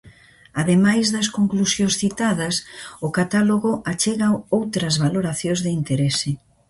Ademais das conclusións citadas, o catálogo achega outras valoracións de interese.